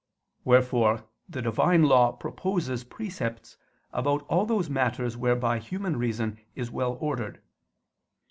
Wherefore the Divine law proposes precepts about all those matters whereby human reason is well ordered.